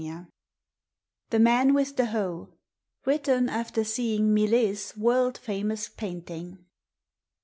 393 "THE MAN WITH THE HOE." WRITTEN AFTER SEEING MILLET'S WORLD FAMOUS PAINTING.